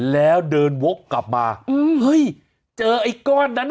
แล้วเดินวกกลับมาเฮ้ยเจอไอ้ก้อนนั้น